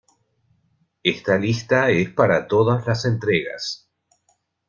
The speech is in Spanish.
Esta lista es para todas las entregas.